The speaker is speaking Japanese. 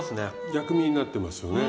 薬味になってますよね。